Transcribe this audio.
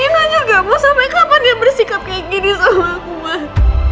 iman juga mau sampai kapan dia bersikap kayak gini sama aku mak